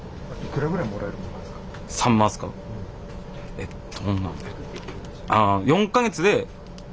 えっと。